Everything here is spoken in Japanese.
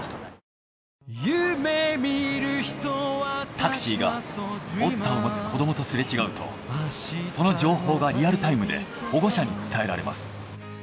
タクシーがｏｔｔａを持つ子どもとすれ違うとその情報がリアルタイムで保護者に伝えられます。